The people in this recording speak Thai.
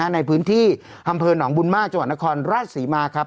ในพื้นที่อำเภอหนองบุญมากจังหวัดนครราชศรีมาครับ